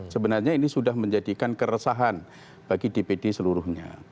sebenarnya ini sudah menjadikan keresahan bagi dpd seluruhnya